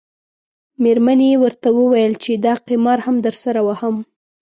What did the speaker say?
میرمنې یې ورته وویل چې دا قمار هم درسره وهم.